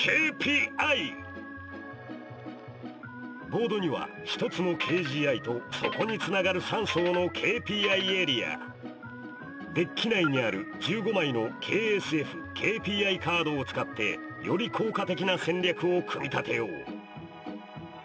ボートには１つのＫＧＩとそこにつながる３層のＫＰＩエリアデッキ内にある１５枚のＫＳＦＫＰＩカードを使ってより効果的な戦略を組み立てよう！